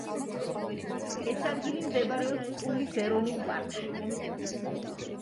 ეს ადგილი მდებარეობს ტულის ეროვნულ პარკში.